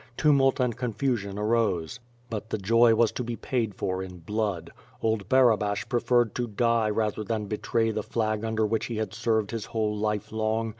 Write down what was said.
Tumult and confusion arose. But the joy was to be paid for in blood. Old Barabash preferred to die rather than betray the flag under which he had served his whole life long.